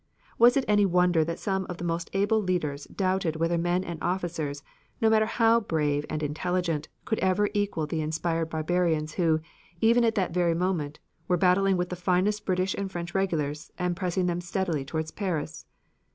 Was it any wonder that some of the most able leaders doubted whether men and officers, no matter how brave and intelligent, could ever equal the inspired barbarians who, even at that very moment, were battling with the finest British and French regulars and pressing them steadily towards Paris?